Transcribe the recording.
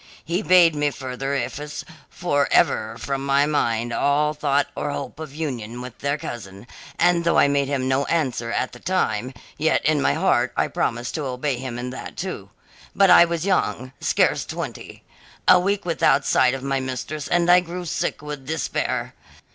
He bade me further efface for ever from my mind all thought or hope of union with their cousin, and though I made him no answer at the time, yet in my heart I promised to obey him in that, too. But I was young scarce twenty. A week without sight of my mistress and I grew sick with despair.